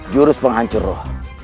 jurus penghancur roh